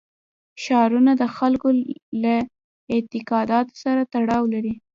ښارونه د خلکو له اعتقاداتو سره تړاو لري.